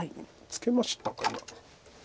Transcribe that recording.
ツケました。